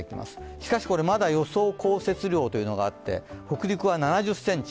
しかし、まだ予想降雪量というのがあって、北陸は７０ｃｍ